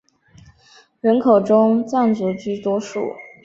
人口中藏族居多数。